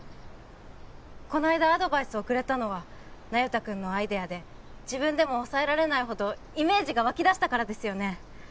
この間アドバイスをくれたのは那由他君のアイデアで自分でも抑えられないほどイメージが湧き出したからですよね？